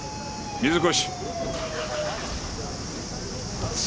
水越。